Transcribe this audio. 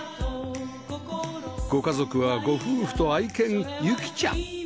ご家族はご夫婦と愛犬ゆきちゃん